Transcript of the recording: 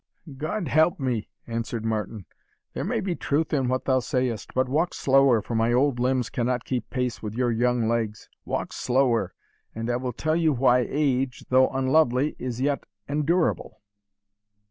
"God help me," answered Martin, "there may be truth in what thou sayest but walk slower, for my old limbs cannot keep pace with your young legs walk slower, and I will tell you why age, though unlovely, is yet endurable."